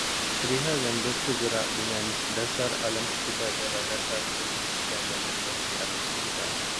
Perihal yang bersegerak dengan dasar alam sekitar ialah dasar penyelidikan dan inovasi alam sekitar